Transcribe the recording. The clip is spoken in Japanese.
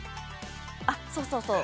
あっそうそうそう。